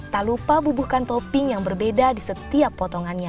tak lupa bubuhkan topping yang berbeda di setiap potongannya